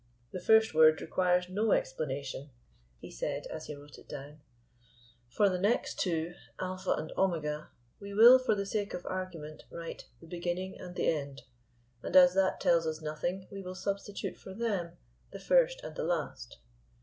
"The first word requires no explanation," he said as he wrote it down. "For the two next, Alpha and Omega, we will, for the sake of argument, write The Beginning and The End, and as that tells us nothing, we will substitute for them The First and The Last.